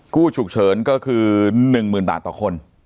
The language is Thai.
กู้ฉุกเฉินก็คือ๑๐๐๐บาทต่อคน